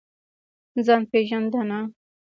ځان پېژندنه.